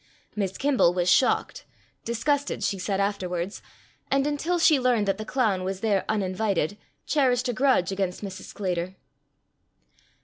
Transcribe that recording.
Miss Kimble was shocked disgusssted, she said afterwards; and until she learned that the clown was there uninvited, cherished a grudge against Mrs. Sclater.